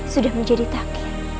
sudah menjadi takdir